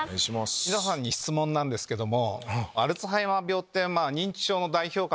皆さんに質問なんですけども。